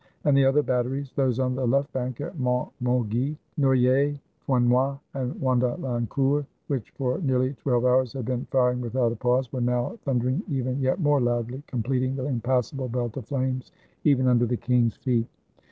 And the other batteries, those on the left bank at Pont Maugis, Noy ers, Frenois, and Wadehncourt, which for nearly twelve hours had been firing without a pause, were now thun dering even yet more loudly, completing the impassable belt of flames, even under the king's feet.